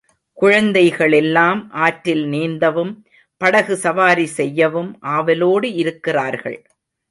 குழந்தைகளெல்லாம் ஆற்றில் நீந்தவும், படகு சவாரி செய்யவும் ஆவலோடு இருக்கிறார்கள்.